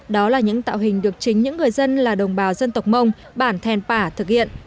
đó là những tạo hình được chính những người dân là đồng bào dân tộc mông bản thèn pả thực hiện